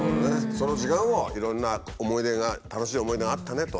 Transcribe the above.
その時間をいろんな思い出が楽しい思い出があったねと。